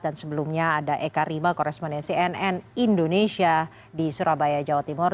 sebelumnya ada eka rima korespondensi nn indonesia di surabaya jawa timur